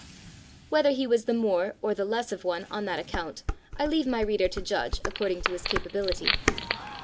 Whether he was the more or the less of one on that account, I leave my reader to judge according to his capability.